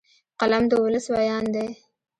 قلم د ولس ویاند دی